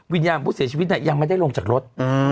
วิญญาณผู้เสียชีวิตยังไม่ได้ลงจากรถ